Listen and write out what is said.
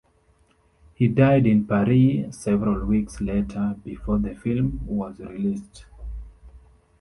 He died in Paris several weeks later, before the film was released.